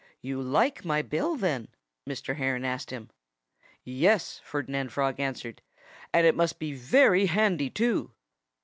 "You like my bill, then?" Mr. Heron asked him. "Yes!" Ferdinand Frog answered. "And it must be very handy, too."